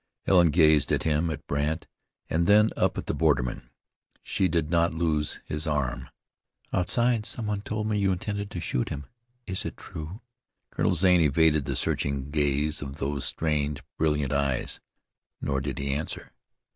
Helen gazed at him, at Brandt, and then up at the borderman. She did not loose his arm. "Outside some one told me you intended to shoot him. Is it true?" Colonel Zane evaded the searching gaze of those strained, brilliant eyes. Nor did he answer.